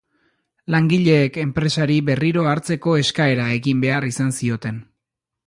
Langileek enpresari berriro hartzeko eskaera egin behar izan zioten.